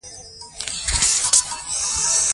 د افغان لوبغاړو هڅې هر افغان ته د فخر او ویاړ ځای ورکوي.